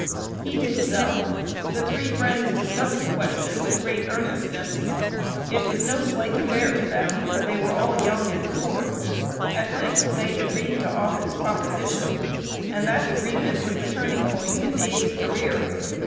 He did so. The three friends discussed the question with great earnestness: it was no slight affair to them, for they were all young and poor. At length they agreed to Offutt's proposition, and that agreement was the turning point in Abe's career.